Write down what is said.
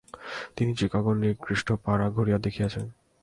তিনি চিকাগোর নিকৃষ্ট পাড়া ঘুরিয়া দেখিয়াছেন।